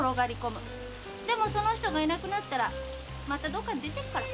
でもその人がいなくなったらまたどっかに出てくから。